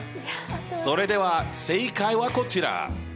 それでは正解はこちら。